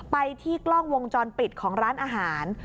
ไปที่กล้องวงจรปิดของร้านอาหาร